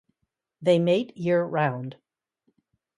They mate year round.